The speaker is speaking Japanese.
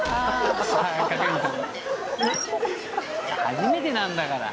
初めてなんだから。